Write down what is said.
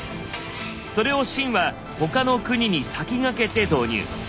それを秦は他の国に先駆けて導入。